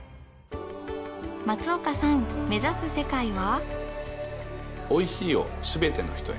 松岡さん目指す世界は？